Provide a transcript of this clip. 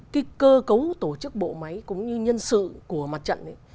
cái cơ cấu tổ chức bộ máy cũng như nhân sự của mặt trận ấy